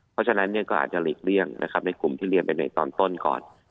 เพราะฉะนั้นก็อาจจะหลีกเลี่ยงนะครับในกลุ่มที่เรียนไปในตอนต้นก่อน